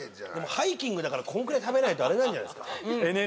ハイキングだからこんくらい食べないとあれなんじゃない？